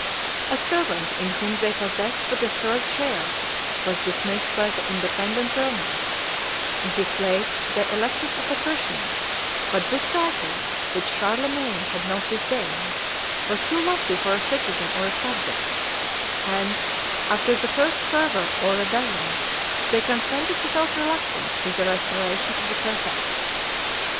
41 A servant, in whom they possessed but a third share, was dismissed by the independent Romans: in his place they elected a patrician; but this title, which Charlemagne had not disdained, was too lofty for a citizen or a subject; and, after the first fervor of rebellion, they consented without reluctance to the restoration of the præfect.